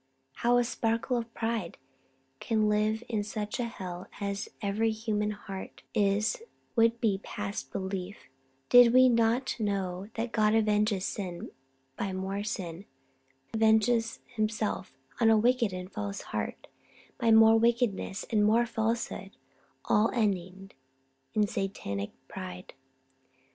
How a spark of pride can live in such a hell as every human heart is would be past belief, did we not know that God avenges sin by more sin; avenges Himself on a wicked and a false heart by more wickedness and more falsehood, all ending in Satanic pride.